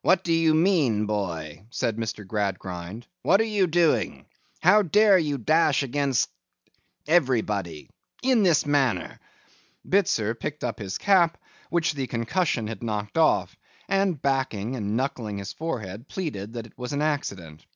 'What do you mean, boy?' said Mr. Gradgrind. 'What are you doing? How dare you dash against—everybody—in this manner?' Bitzer picked up his cap, which the concussion had knocked off; and backing, and knuckling his forehead, pleaded that it was an accident.